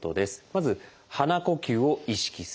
まず鼻呼吸を意識する。